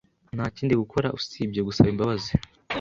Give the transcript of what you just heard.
Nta kindi gukora usibye gusaba imbabazi.